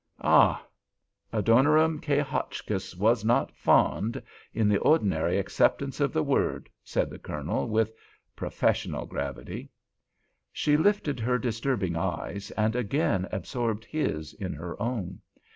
"Ah! Adoniram K. Hotchkiss was not 'fond' in the ordinary acceptance of the word," said the Colonel, with professional gravity. She lifted her disturbing eyes, and again absorbed his in her own.